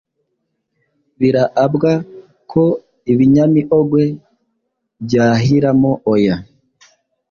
Biraabwa ko ibinyamiogwe byahiramo oya